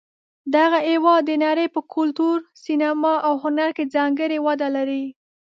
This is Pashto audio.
دغه هېواد د نړۍ په کلتور، سینما، او هنر کې ځانګړې ونډه لري.